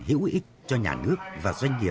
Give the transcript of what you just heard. hữu ích cho nhà nước và doanh nghiệp